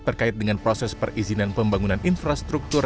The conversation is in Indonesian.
terkait dengan proses perizinan pembangunan infrastruktur